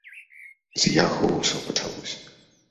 З яго ўсё пачалося.